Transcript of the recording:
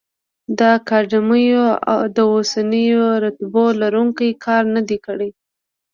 د اکاډمیو د اوسنیو رتبو لروونکي کار نه دی کړی.